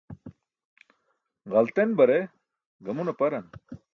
Ġalten bare gamun aparan.